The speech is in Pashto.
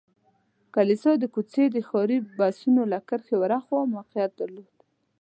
کلیسا د کوڅې د ښاري بسونو له کرښې ور هاخوا موقعیت درلود.